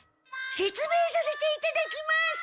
せつめいさせていただきます！